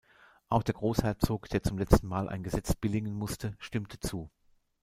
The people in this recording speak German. Auch der Großherzog, der zum letzten Mal ein Gesetz billigen musste, stimmte zu.